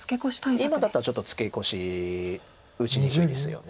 今だったらちょっとツケコシ打ちにくいですよね。